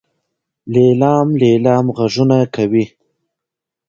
لیلام لیلام غږونه کوي.